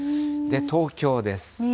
東京です。